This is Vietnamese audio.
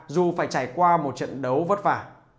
dù phải trải qua một trận đấu vất vả